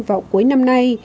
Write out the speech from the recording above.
vào cuối năm nay